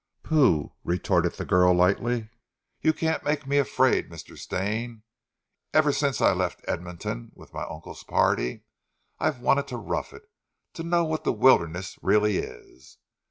"Pooh," retorted the girl lightly. "You can't make me afraid, Mr. Stane. Ever since I left Edmonton with my uncle's party I've wanted to rough it to know what the wilderness really is.